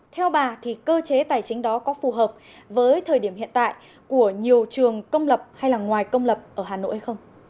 theo bà thì cơ chế tài chính đó có phù hợp với thời điểm hiện tại của nhiều trường công lập hay là ngoài công lập ở hà nội hay không